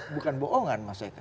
bukan bohongan maksudnya